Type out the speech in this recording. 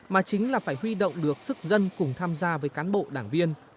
mà chính là phải huy động được sức dân cùng tham gia với cán bộ đảng viên